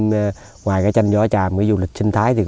ngoài tranh vỏ tràm với du lịch sinh thái